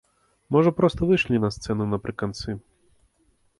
Можа, проста выйшлі на сцэну напрыканцы.